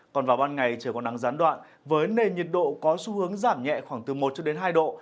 còn vào ban ngày trời có nắng gián đoạn với nền nhiệt độ có xu hướng giảm nhẹ khoảng từ một hai độ